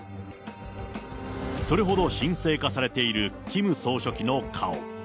それほど神聖化されているキム総書記の顔。